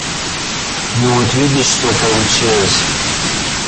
Ну вот видишь, что получилось?